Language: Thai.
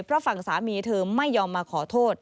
เพราะฝั่งสามีเธอไม่ยอมมาขอโทษ